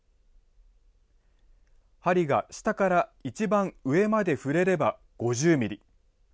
針が下から一番上まで振れれば５０ミリ。